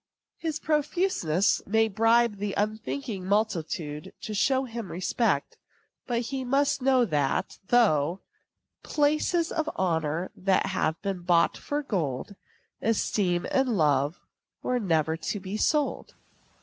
His profuseness may bribe the unthinking multitude to show him respect; but he must know that, though "Places and honors have been bought for gold, Esteem and love were never to be sold."